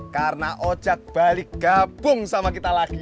karena ojek balik gabung sama kita lagi